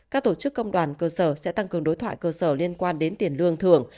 các tổ chức công đoàn cơ sở sẽ tăng cường đối thoại cơ sở liên quan đến tiền lương thưởng